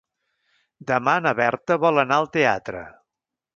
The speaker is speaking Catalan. Demà na Berta vol anar al teatre.